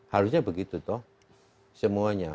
harusnya begitu toh semuanya